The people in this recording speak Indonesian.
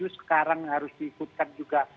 sekarang harus diikutkan juga